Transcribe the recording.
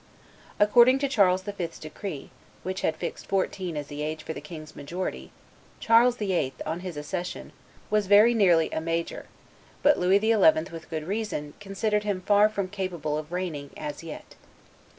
According to Charles V.'s decree, which had fixed fourteen as the age for the king's majority, Charles VIII., on his accession, was very nearly a major; but Louis XI., with good reason, considered him very far from capable of reigning as yet.